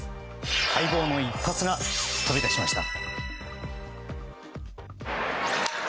待望の一発が飛び出しました。